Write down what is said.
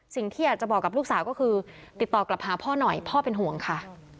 สิ่งที่อยากจะบอกกับลูกสาวก็คือติดต่อกลับหาพ่อหน่อยพ่อเป็นห่วงค่ะ